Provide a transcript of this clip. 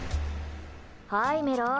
はい、メロ。